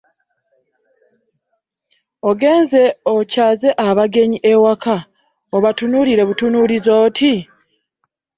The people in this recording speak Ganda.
Ogenze okyaze abagenyi awaka obatunuulire butunuulizi oti.